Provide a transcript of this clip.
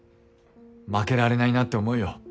負けられないなって思うよ。